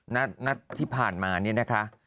นัดที่ผ่านมาเนี่ยนะคะ